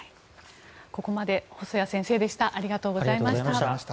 ここまで細谷先生でした。